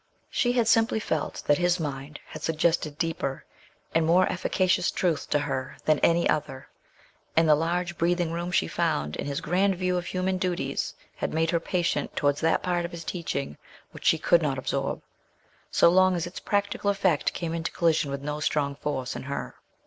She had simply felt that his mind had suggested deeper and more efficacious truth to her than any other, and the large breathing room she found in his grand view of human duties had made her patient towards that part of his teaching which she could not absorb, so long as its practical effect came into collision with no strong force in her.